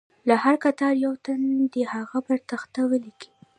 له هر کتار یو تن دې هغه پر تخته ولیکي.